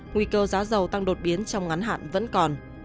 nguy cơ giá dầu tăng đột biến trong ngắn hạn vẫn còn